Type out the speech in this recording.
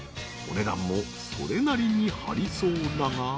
［お値段もそれなりに張りそうだが］